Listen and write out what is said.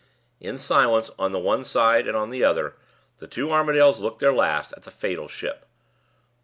In silence on the one side and on the other, the two Armadales looked their last at the fatal ship.